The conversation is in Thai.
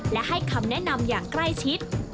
และให้คำแนะนำอย่างใกล้ชิด